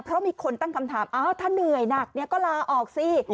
เพราะมีคนตั้งคำถามถ้าเหนื่อยหนักก็ลาออกสิ